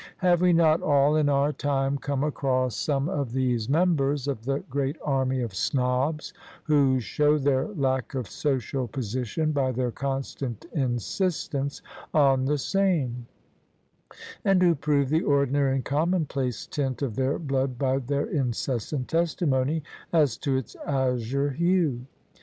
Have we not all in our time come across some THE SUBJECTION of these members of the great army of snobs who show their lack of social position by their constant insistence on the same: and who prove the ordinary and commonplace tint of their blood by their incessant testimony as to its azure hue?